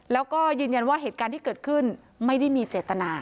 แล้วก็ยืนยันว่าเหตุการณ์ที่เกิดขึ้นไม่ได้มีเจตนา